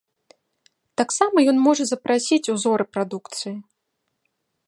Таксама ён можа запрасіць узоры прадукцыі.